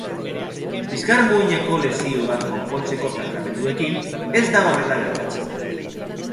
Bizkarmuineko lesioak konpontzeko tratamenduekin ez da horrela gertatzen.